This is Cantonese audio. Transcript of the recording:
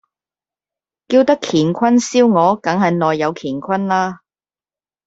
叫得乾坤燒鵝，當然係內有乾坤啦